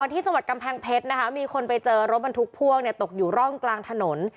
ตอนที่จังหวัดกำแพงเพชรมีคนไปเจอรถบันทุกภ่วงตกอยู่ร่องกลางถนน